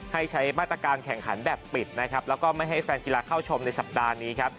ให้ใช้มาตรการแข่งขันแบบปิดนะครับแล้วก็ไม่ให้แฟนกีฬาเข้าชมในสัปดาห์นี้ครับ